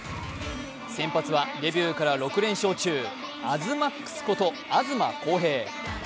先発はデビューから６連勝中アズマックスこと東晃平。